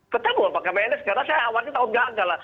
ketemu pak kemendes karena saya awalnya tahu gagal